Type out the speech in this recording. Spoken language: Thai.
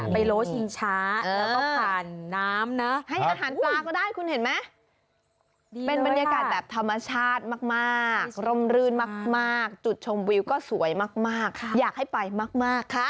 โลชิงช้าแล้วก็ผ่านน้ำนะให้อาหารปลาก็ได้คุณเห็นไหมเป็นบรรยากาศแบบธรรมชาติมากร่มรื่นมากจุดชมวิวก็สวยมากอยากให้ไปมากค่ะ